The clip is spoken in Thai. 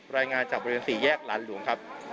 รายงานจากบริการศรีแยกล้านหลวงครับ